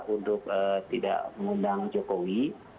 untuk tidak mengundang jokowi